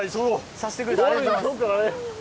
察してくれてありがとうございます。